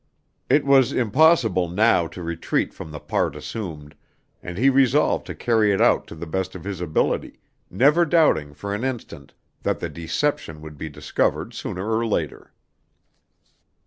It was impossible now to retreat from the part assumed, and he resolved to carry it out to the best of his ability, never doubting for an instant that the deception would be discovered sooner or later.